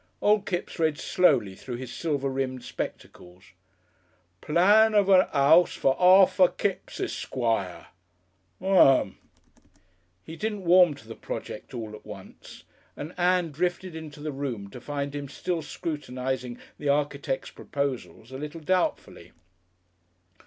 Old Kipps read slowly through his silver rimmed spectacles: "Plan of a 'ouse for Arthur Kipps Esquire Um." He didn't warm to the project all at once, and Ann drifted into the room to find him still scrutinising the architect's proposals a little doubtfully.